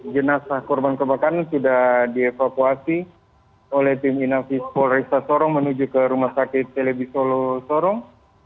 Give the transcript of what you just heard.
tujuh belas jenazah korban kebakaran sudah dievakuasi oleh tim inavis polres sorong menuju ke rumah sakit televisolo sorong